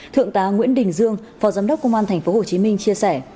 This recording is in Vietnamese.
thượng tá nguyễn đình dương phó giám đốc công an tp hồ chí minh chia sẻ